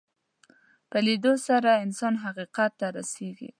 په لیدلو سره انسان حقیقت ته رسېږي